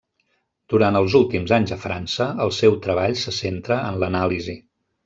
Durant els últims anys a França el seu treball se centra en l'anàlisi.